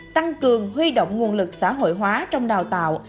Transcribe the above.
tăng cường huy động nguồn lực xã hội hóa trong đào tạo